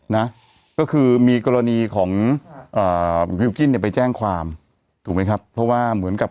นะก็คือมีกรณีของอ่าวิวกิ้นเนี่ยไปแจ้งความถูกไหมครับเพราะว่าเหมือนกับ